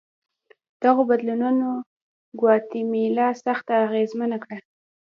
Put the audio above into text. دغو بدلونونو ګواتیمالا سخته اغېزمنه کړه.